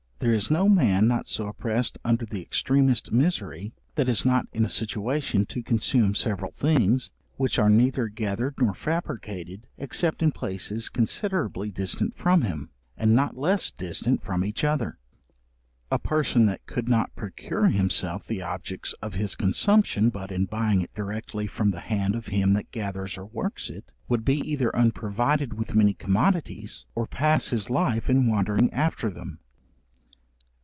There is no man, not oppressed under the extremest misery, that is not in a situation to consume several things, which are neither gathered nor fabricated, except in places considerably distant from him, and not less distant from each other. A person that could not procure himself the objects of his consumption but in buying it directly from the hand of him that gathers or works it, would be either unprovided with many commodities, or pass his life in wandering after them.